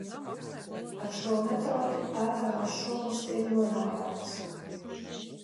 Ar šo metodi pētāmās šūnas tiek nonāvētas.